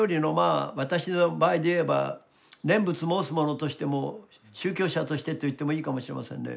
私の場合で言えば念仏申す者としても宗教者としてと言ってもいいかもしれませんね。